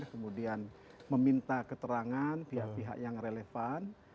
kemudian meminta keterangan pihak pihak yang relevan